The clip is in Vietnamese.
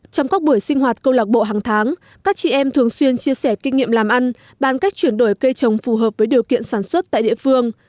trong các buổi sinh hoạt câu lạc bộ hàng tháng các chị em thường xuyên chia sẻ kinh nghiệm làm ăn bàn cách chuyển đổi cây trồng phù hợp với điều kiện sản xuất tại địa phương